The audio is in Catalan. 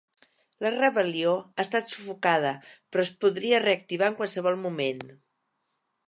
La rebel·lió ha estat sufocada però es podria reactivar en qualsevol moment.